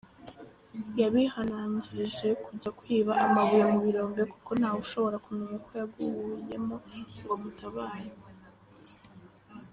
Yabihananjirije kujya kwiba amabuye mu birombe kuko ntawe ushobora kumenya ko yaguyemo ngo amutabare.